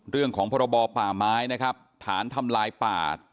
เรื่องของพบป่าม้ายนะครับฐานทำลายประหาร